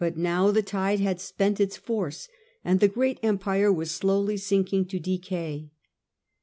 now the tide had spent its force and the great empire was slowly sinking to decay.